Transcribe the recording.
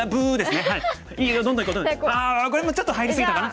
これもちょっと入り過ぎたかな。